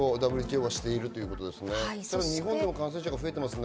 日本でも感染者が増えてますね。